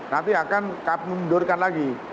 nanti akan mendudukan lagi